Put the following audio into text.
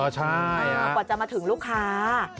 ใช่ค่ะก่อนจะมาถึงลูกค้า